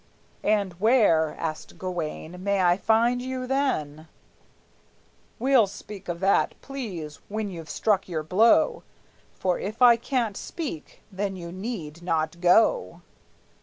"And where," asked Gawayne, "may I find you then?" "We'll speak of that, please, when you've struck your blow; For if I can't speak, then you need not go!"